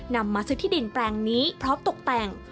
นำมาซื้อที่ดินแปลงนี้พร้อมตกแต่ง